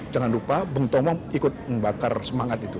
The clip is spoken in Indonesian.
jangan lupa bung tomo ikut membakar semangat itu